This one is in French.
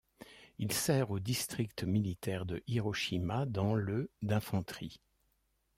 Il sert au district militaire de Hiroshima dans le d'infanterie.